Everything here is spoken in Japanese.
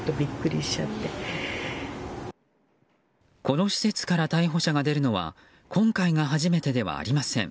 この施設から逮捕者が出るのは今回が初めてではありません。